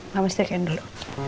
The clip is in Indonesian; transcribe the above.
mama setikain dulu